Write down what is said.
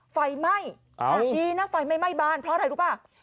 ไฟไหม้ดีนะไฟไม่ไหม้บ้านเพราะอะไรรู้ป่ะ